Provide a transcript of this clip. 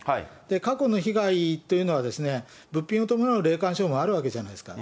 過去の被害というのは、物品を伴う霊感商法もあるわけじゃないですか。